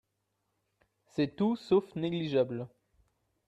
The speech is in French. C’est tout sauf négligeable